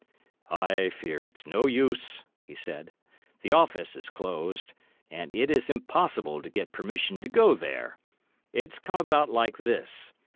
"I fear it's no use," he said; "the office is closed, and it is impossible to get permission to go there. It's come about like this.